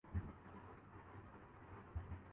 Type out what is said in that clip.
مسلم لیگ کے نام پر وجود میں آ چکی